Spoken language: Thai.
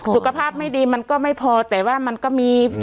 สุขภาพไม่ดีมันก็ไม่พอแต่ว่ามันก็มี